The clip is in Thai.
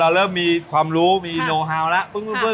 และพวกวัตตุดิบ